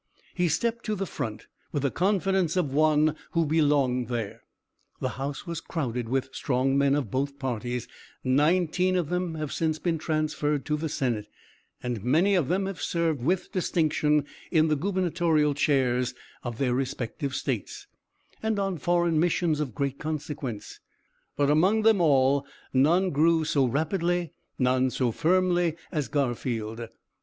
He stepped to the front with the confidence of one who belonged there. The House was crowded with strong men of both parties; nineteen of them have since been transferred to the Senate, and many of them have served with distinction in the gubernatorial chairs of their respective States, and on foreign missions of great consequence; but among them all none grew so rapidly, none so firmly, as Garfield.